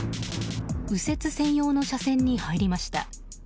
右折専用の車線に入りました。